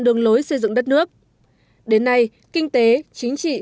sang khu vực asean đạt năm bảy mươi ba tỷ usd